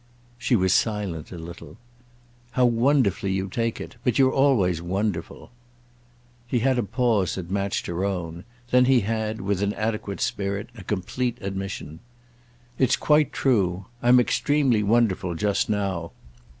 She was silent a little. "How wonderfully you take it! But you're always wonderful." He had a pause that matched her own; then he had, with an adequate spirit, a complete admission. "It's quite true. I'm extremely wonderful just now.